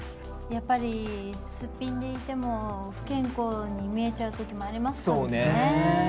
やっぱり、すっぴんでいても不健康に見えちゃう時もありますもんね。